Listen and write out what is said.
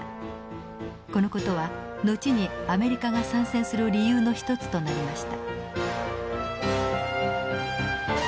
この事は後にアメリカが参戦する理由の一つとなりました。